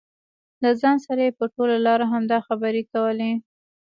له ځان سره یې په ټوله لار همدا خبرې کولې.